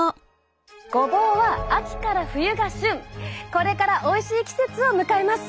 これからおいしい季節を迎えます。